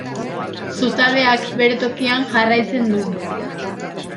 Zutabeak bere tokian jarraitzen du.